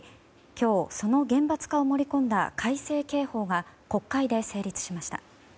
今日、その厳罰化を盛り込んだ改正刑法が国会で成立しました。